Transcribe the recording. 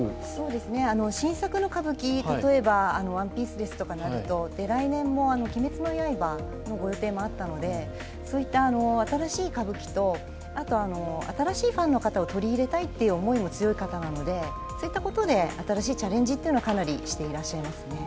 新作の歌舞伎、例えば「ＯＮＥＰＩＥＣＥ」ですとか、来年も「鬼滅の刃」のご予定もあったので、そういった新しい歌舞伎と、あと、新しいファンの方を取り入れたいという思いも強い方なのでそういったことで新しいチャレンジはかなりしていらっしゃいますね。